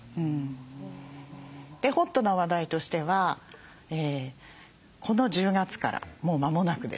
ホットな話題としてはこの１０月からもう間もなくですね